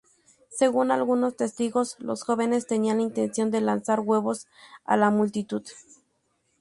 Según algunos testigos, los jóvenes tenían la intención de lanzar huevos a la multitud.